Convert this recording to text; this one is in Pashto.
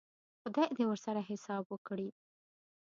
خدای دې ورسره حساب وکړي.